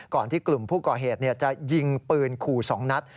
ก่อนที่กลุ่มผู้ก่อเหตุจะยิงปืนขู่๒นัด